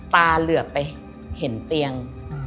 ตาเหลือบไปเห็นเตียง